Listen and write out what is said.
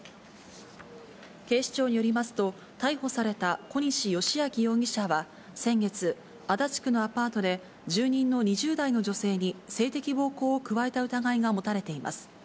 警視庁によりますと、逮捕された小西良昭容疑者は先月、足立区のアパートで住人の２０代の女性に性的暴行を加えた疑いが持たれています。